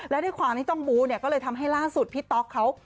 และด้วยความที่ต้องบู้เนี่ยก็เลยทำให้ล่าสุดพี่ต๊อกเขา